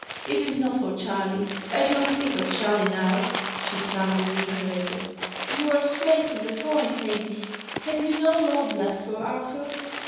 "It is not for Charley: I do not speak of Charley now," she sadly reiterated. "You are straying from the point. Hamish, have you no love left for Arthur?"